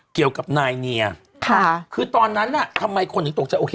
เกี่ยวกับนายเนียคือตอนนั้นอะทำไมคนหนึ่งตกใจ